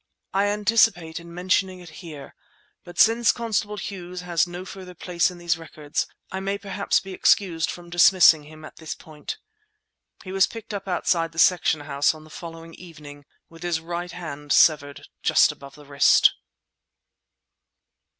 I anticipate in mentioning it here; but since Constable Hughes has no further place in these records I may perhaps be excused for dismissing him at this point. He was picked up outside the section house on the following evening with his right hand severed just above the wrist.